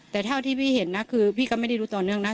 แต่เท่าที่พี่เห็นนะคือพี่ก็ไม่ได้รู้ต่อเนื่องนะ